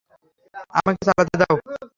আমাকে চালাতে দাও!